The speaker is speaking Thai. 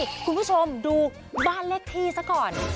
คุณผู้ชมดูบ้านเลขที่ซะก่อน